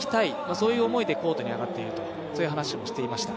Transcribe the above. そういう思いで、コートに上がっているという話もしていました。